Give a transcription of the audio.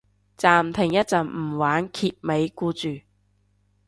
暫停一陣唔玩揭尾故住